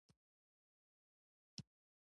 د چنګیز د مقرراتو ټولګه څه نومېده؟